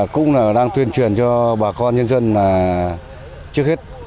cũng đang tuyên truyền cho bà con nhân dân là trước hết